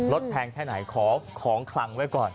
แพงแค่ไหนขอของคลังไว้ก่อน